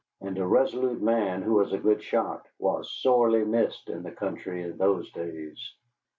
And a resolute man who was a good shot was sorely missed in the country in those days.